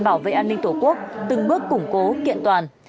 bảo vệ an ninh tổ quốc từng bước củng cố kiện toàn